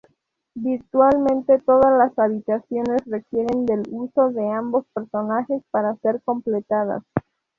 Virtualmente todas las habitaciones requieren del uso de ambos personajes para ser completadas.